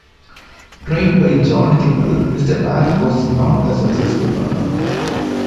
Trained by John Kimmel, Mr. Pat was not a successful runner.